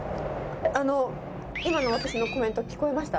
あの、今の私のコメント、聞こえました？